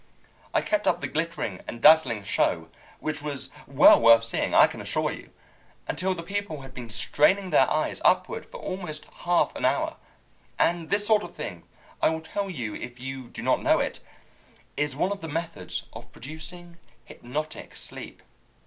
"I kept up the glittering and dazzling show which was well worth seeing, I can assure you until the people had been straining their eyes upward for almost half an hour. And this sort of thing I will tell you if you do not know it is one of the methods of producing hypnotic sleep.